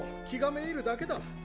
気がめいるだけだ。